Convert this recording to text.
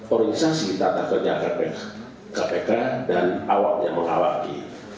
organisasi tata kerja kpk dan awalnya mengawalki